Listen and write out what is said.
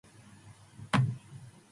Forham's volleyball team also used the gym.